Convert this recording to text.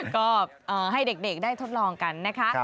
ก็ให้เด็กได้ทดลองกันนะคะ